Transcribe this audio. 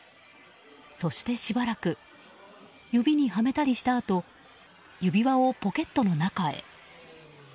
そしてしばらく指にはめたりしたあと指輪をポケットの中へ。